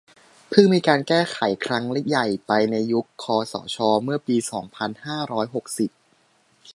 เพิ่งมีการแก้ไขครั้งใหญ่ไปในยุคคสช เมื่อปี สองพันห้าร้อยหกสิบ